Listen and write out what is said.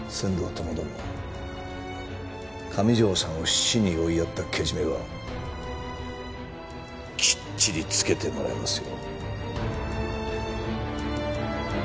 ともども上條さんを死に追いやったけじめはきっちりつけてもらいますよ。